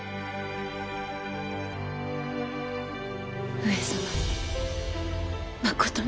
上様まことに。